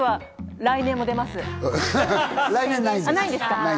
来年ないんです。